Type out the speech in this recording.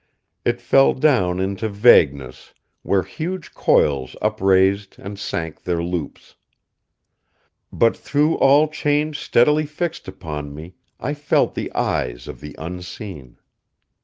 It fell down into vagueness, where huge coils upraised and sank their loops. But through all change steadily fixed upon me I felt the eyes of the Unseen.